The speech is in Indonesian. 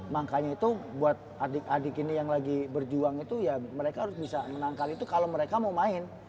makanya itu buat adik adik ini yang lagi berjuang itu ya mereka harus bisa menangkal itu kalau mereka mau main